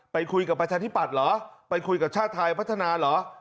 ไปคุยกับประชาธิปัตย์เหรอไปคุยกับชาติไทยพัฒนาเหรอ